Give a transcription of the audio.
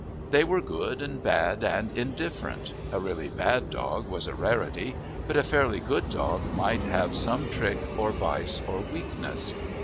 They were good and bad and indifferent; a really bad dog was a rarity; but a fairly good dog might have some trick or vice or weakness.